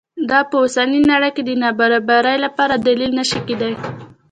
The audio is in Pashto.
دا په اوسنۍ نړۍ کې د نابرابرۍ لپاره دلیل نه شي کېدای.